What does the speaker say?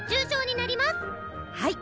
はい。